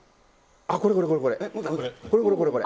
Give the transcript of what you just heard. あっ、これこれこれ。